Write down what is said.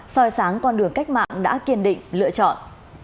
soi sáng con đường cách mạng đã kiên định lựa chọn